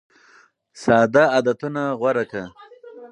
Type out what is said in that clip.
ساده عادتونه غوره کړه.